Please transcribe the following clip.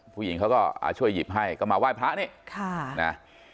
ผู้หญิงเขาก็ช่วยหยิบให้ก็มาไหว้พระนี่ค่ะนะ